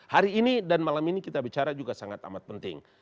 hari ini dan malam ini kita bicara juga sangat amat penting